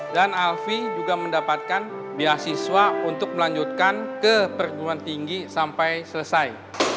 dan alfi juga mendapatkan beasiswa untuk melanjutkan ke perguruan tinggi sampai selesai